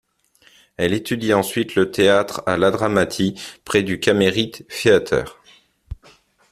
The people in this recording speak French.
Elle étudie ensuite le théâtre à l'Hadramati, près du Cameri Theatre.